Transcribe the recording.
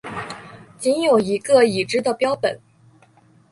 仅有一个已知的标本。